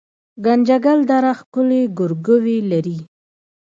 ګنجګل دره ښکلې ګورګوي لري